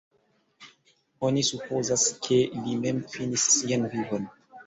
Oni supozas, ke li mem finis sian vivon.